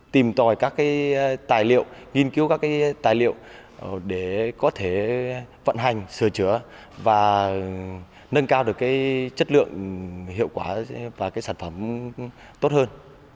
tìm tòi các tài liệu nghiên cứu các tài liệu để có thể vận hành sửa chữa và nâng cao được chất lượng hiệu quả và sản phẩm tốt hơn